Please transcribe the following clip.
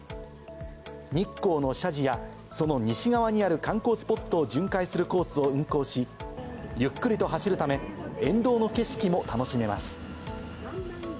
日光の社寺や、その西側にある観光スポットを巡回するコースを運行し、ゆっくりと走るため、沿道の景色も楽しめます。